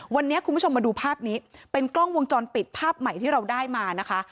วันนี้คุณผู้ชมมาดูภาพนี้เป็นกล้องวงจรปิดภาพใหม่ที่เราได้มานะคะ